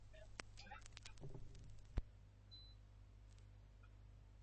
Lanak, betebeharrak eta eginkizunak hiron artean banatu genituen.